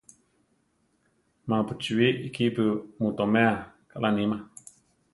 Ma pu chíbi ikípu mu toméa, kaʼlá níma.